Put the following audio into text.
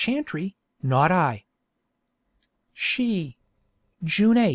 chantry, not I._ She _June 8.